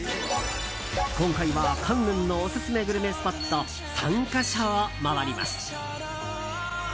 今回はカンヌンのオススメグルメスポット３か所を回ります。